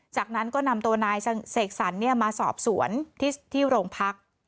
จากนั้นก็นำตัวนายเสกสรรมาสอบสวนที่โรงพัก